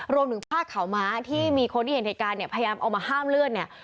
รวมถึงผ้าขาวม้าที่มีคนที่เห็นเหตุการณ์เนี่ยพยายามเอามาห้ามเลือดเนี่ย